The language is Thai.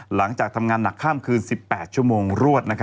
หลังจากทำงานหนักข้ามคืน๑๘ชั่วโมงรวด